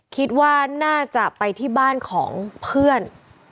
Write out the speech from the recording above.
คิดว่าน่าจะไปที่บ้านของเพื่อน